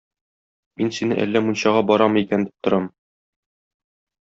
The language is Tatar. Мин сине әллә мунчага барамы икән дип торам.